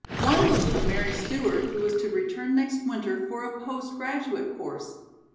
One was from Mary Stewart, who was to return next winter for a post graduate course.